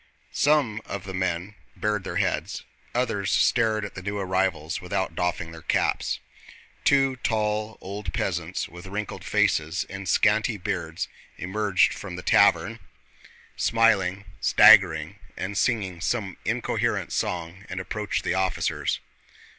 Some of the men bared their heads, others stared at the new arrivals without doffing their caps. Two tall old peasants with wrinkled faces and scanty beards emerged from the tavern, smiling, staggering, and singing some incoherent song, and approached the officers.